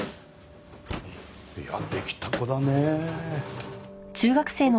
いやあできた子だねえ。